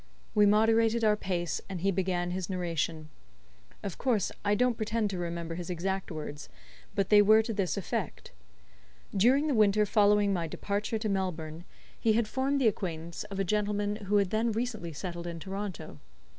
We moderated our pace, and he began his narration. Of course I don't pretend to remember his exact words, but they were to this effect. During the winter following my departure to Melbourne, he had formed the acquaintance of a gentleman who had then recently settled in Toronto.